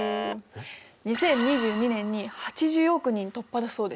２０２２年に８０億人突破だそうです。